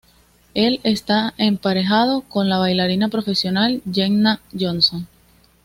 Él está emparejado con la bailarina profesional Jenna Johnson.